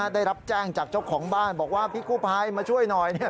ได้รับแจ้งจากเจ้าของบ้านบอกว่าพี่กู้ภัยมาช่วยหน่อย